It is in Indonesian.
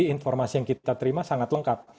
informasi yang kita terima sangat lengkap